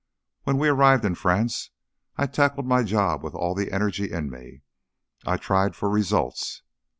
When we arrived in France I tackled my job with all the energy in me; I tried for results.